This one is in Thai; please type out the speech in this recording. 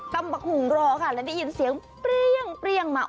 ตำบักหุ่งรอค่ะและได้ยินเสียงเปรี้ยงมา